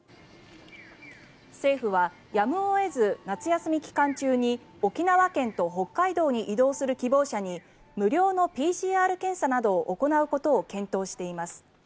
政府はやむを得ず夏休み期間中に沖縄県と北海道に移動する希望者に無料のＰＣＲ検査などを行うことを検討しています。